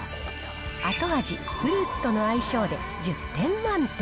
後味、フルーツとの相性で１０点満点。